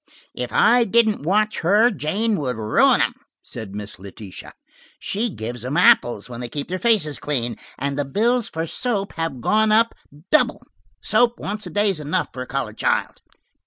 "If I didn't watch her, Jane would ruin them," said Miss Letitia. "She gives 'em apples when they keep their faces clean, and the bills for soap have gone up double. Soap once a day's enough for a colored child.